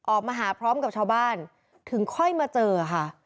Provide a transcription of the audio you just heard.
ออกมาหาพร้อมกับชาวบ้านถึงค่อยมาเจอค่ะ